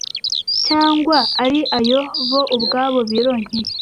cyangwa ari ayo bo ubwabo bironkeye